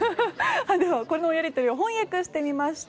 では、このやり取りを翻訳してみました。